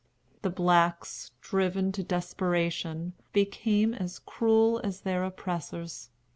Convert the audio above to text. The blacks, driven to desperation, became as cruel as their oppressors.